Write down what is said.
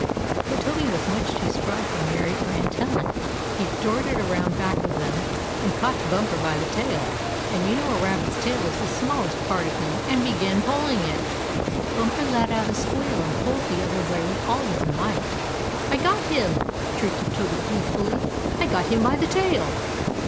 But Toby was much too spry for Mary or Aunt Helen. He darted around back of them, and caught Bumper by the tail and you know a rabbit's tail is the smallest part of him and began pulling it. Bumper let out a squeal, and pulled the other way with all his might. "I got him!" shrieked Toby gleefully. "I got him by the tail."